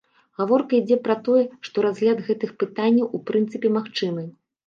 Гаворка ідзе пра тое, што разгляд гэтых пытанняў у прынцыпе магчымы.